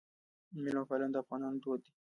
میلمه پالنه د افغانانو دود دی